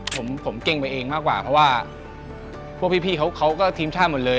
ผมผมเก่งไปเองมากกว่าเพราะว่าพวกพี่เขาก็ทีมชาติหมดเลย